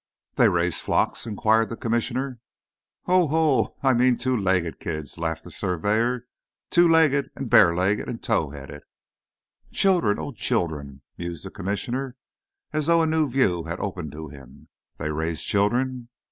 "They raise flocks?" inquired the Commissioner. "Ho, ho! I mean two legged kids," laughed the surveyor; "two legged, and bare legged, and tow headed." "Children! oh, children!" mused the Commissioner, as though a new view had opened to him; "they raise children!